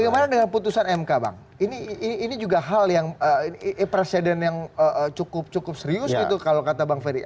bagaimana dengan putusan mk bang ini juga hal yang presiden yang cukup serius gitu kalau kata bang ferry